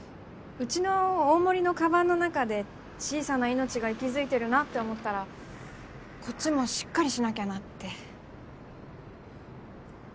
うちの大森のかばんの中で小さな命が息づいてるなって思ったらこっちもしっかりしなきゃなって。